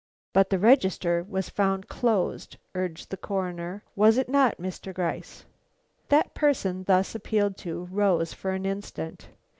"But the register was found closed," urged the Coroner. "Was it not, Mr. Gryce?" That person thus appealed to, rose for an instant.